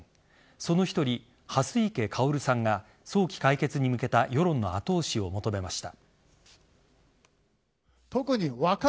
その１人、蓮池薫さんが早期解決に向けた世論の後押しを求めました。